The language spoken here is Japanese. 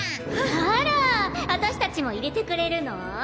あら私達も入れてくれるの？